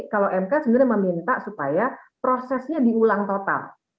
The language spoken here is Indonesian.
kalau mk sebenarnya meminta supaya prosesnya diulang total